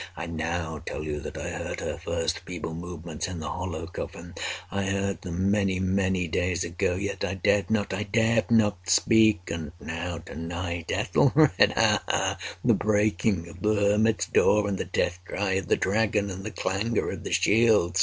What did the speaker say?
I now tell you that I heard her first feeble movements in the hollow coffin. I heard them—many, many days ago—yet I dared not—I dared not speak! And now—to night—Ethelred—ha! ha!—the breaking of the hermit's door, and the death cry of the dragon, and the clangor of the shield!